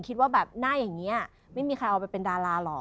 คิดว่าแบบหน้าอย่างนี้ไม่มีใครเอาไปเป็นดาราหรอก